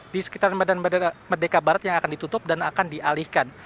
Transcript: di sekitar medan merdeka barat yang akan ditutup dan akan dialihkan